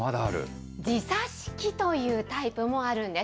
時差式というタイプもあるんです。